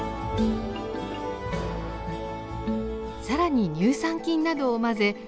更に乳酸菌などを混ぜ